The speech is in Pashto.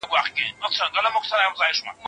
دا یو حقیقت دی چې جوړېدونکی دی.